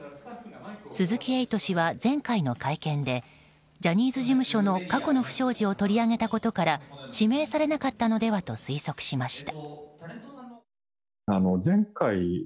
鈴木エイト氏は前回の会見でジャニーズ事務所の過去の不祥事を取り上げたことから指名されなかったのではと推測しました。